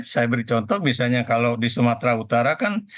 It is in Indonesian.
saya beri contoh misalnya kalau di sumatera utara kan